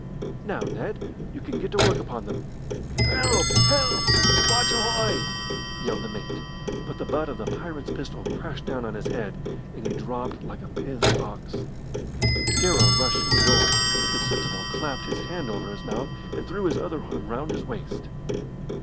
Now, Ned, you can get to work upon them." "Help! help! Watch ahoy!" yelled the mate; but the butt of the pirate's pistol crashed down on his head, and he dropped like a pithed ox. Scarrow rushed for the door, but the sentinel clapped his hand over his mouth, and threw his other arm round his waist.